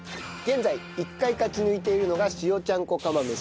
現在１回勝ち抜いているのが塩ちゃんこ釜飯。